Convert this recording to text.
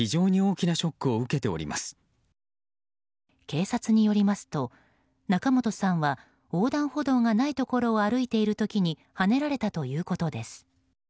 警察によりますと、仲本さんは横断歩道がないところを歩いている時にはねられたということです。